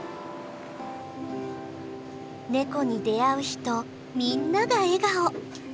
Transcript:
ネコに出会う人みんなが笑顔。